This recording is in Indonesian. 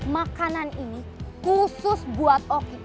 makanan ini khusus buat oki